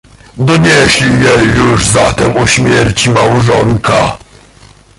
"Donieśli jej już zatem o śmierci małżonka."